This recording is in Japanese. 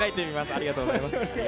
ありがとうございます。